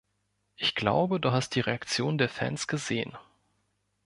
Ich glaube, du hast die Reaktion der Fans gesehen.